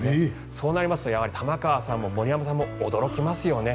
そうなると玉川さんも森山さんも驚きますよね。